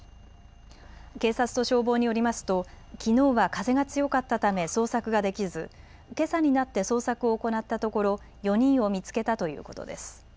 警察と消防によりますときのうは風が強かったため捜索ができず、けさになって捜索を行ったところ４人を見つけたということです。